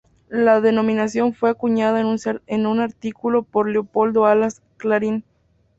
La denominación fue acuñada en un artículo por Leopoldo Alas, "Clarín".